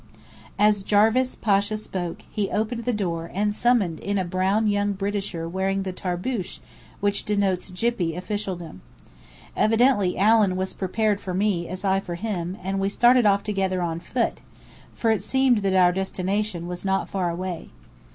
As Jarvis Pasha spoke, he opened the door, and summoned in a brown young Britisher wearing the tarboosh which denotes "Gyppy" officialdom. Evidently Allen was prepared for me as I for him, and we started off together on foot, for it seemed that our destination was not far away.